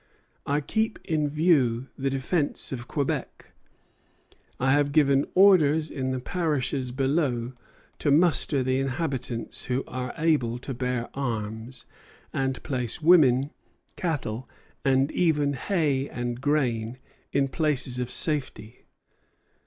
I keep in view the defence of Quebec. I have given orders in the parishes below to muster the inhabitants who are able to bear arms, and place women, children, cattle, and even hay and grain, in places of safety.